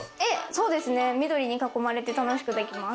そうですね、緑に囲まれて楽しくできてます。